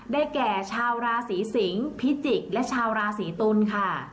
แก่ชาวราศีสิงศ์พิจิกษ์และชาวราศีตุลค่ะ